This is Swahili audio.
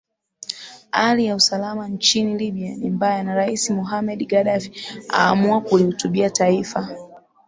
ali ya usalama nchini libya ni mbaya na rais mohamed gaddafi aamua kulihutubia taifa